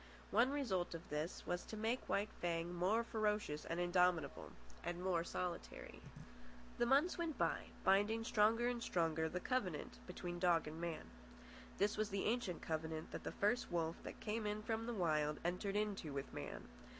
One result of this was to make White Fang more ferocious and indomitable, and more solitary. The months went by, binding stronger and stronger the covenant between dog and man. This was the ancient covenant that the first wolf that came in from the Wild entered into with man.